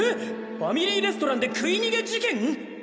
ファミリーレストランで食い逃げ事件！？